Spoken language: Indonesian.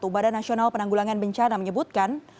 badan nasional penanggulangan bencana menyebutkan